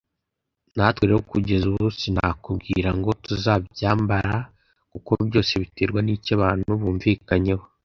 natwe rero kugeza ubu sinakubwira ngo tuzabyambara kuko byose biterwa nicyo abantu bumvikanyeho